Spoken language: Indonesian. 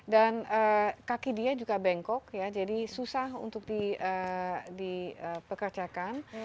dan kaki dia juga bengkok jadi susah untuk dipekerjakan